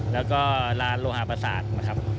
แล้วก็ร้านโลหาประสาทนะครับ